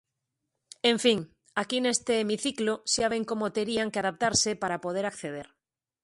En fin, aquí neste hemiciclo xa ven como terían que adaptarse para poder acceder.